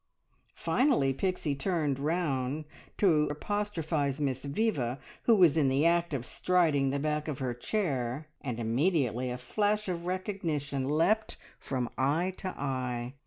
Finally Pixie turned round to apostrophise Miss Viva, who was in the act of striding the back of her chair, and immediately a flash of recognition leapt from eye to eye.